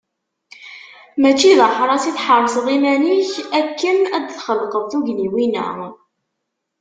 Mačči d aḥras i tḥerseḍ iman-ik akken ad d-txelqeḍ tugniwin-a.